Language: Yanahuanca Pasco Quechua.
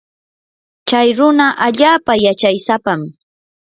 chay runa allaapa yachaysapam.